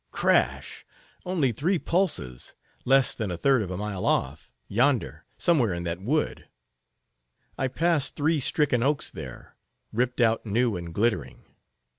"Crash! only three pulses—less than a third of a mile off—yonder, somewhere in that wood. I passed three stricken oaks there, ripped out new and glittering.